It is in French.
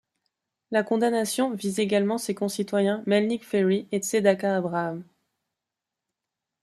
La condamnation vise également ses concitoyens Melnik Ferry et Tzedaka Abraham.